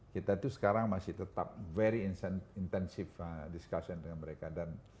kita itu sekarang masih tetap very intensive discussion dengan mereka